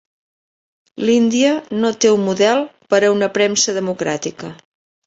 L'Índia no té un model per a una premsa democràtica.